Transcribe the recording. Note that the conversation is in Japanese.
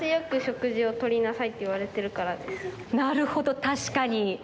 なるほどたしかに。